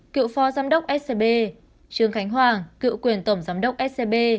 cựu phó giám đốc scb trương khánh hoàng cựu quyền tổng giám đốc scb